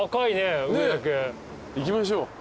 行きましょう。